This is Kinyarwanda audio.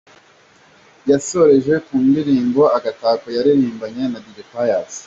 Yasoreje ku ndirimbo ‘Agatako’ yaririmbanye na Dj Pius.